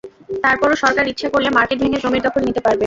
তার পরও সরকার ইচ্ছা করলে মার্কেট ভেঙে জমির দখল নিতে পারবে।